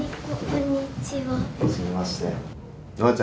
はじめまして。